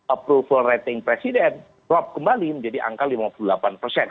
approval rating presiden drop kembali menjadi angka lima puluh delapan persen